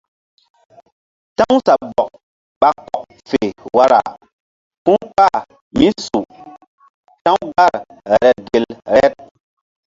Ta̧w sabɔk ɓa kɔk fe wara ku̧ kpah mí su ta̧w gar reɗ gel reɗ.